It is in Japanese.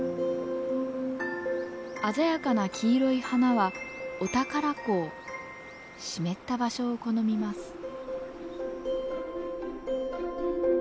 鮮やかな黄色い花は湿った場所を好みます。